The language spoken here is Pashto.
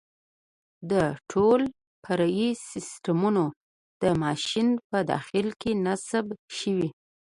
دا ټول فرعي سیسټمونه د ماشین په داخل کې نصب شوي دي.